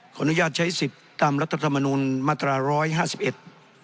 อนุญาตใช้สิทธิ์ตามรัฐธรรมนุนมาตราร้อยห้าสิบเอ็ด